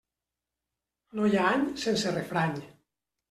No hi ha any sense refrany.